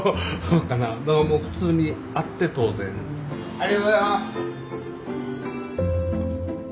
ありがとうございます！